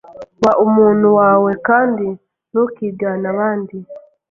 Ba umuntu wawe kandi ntukigane abandi.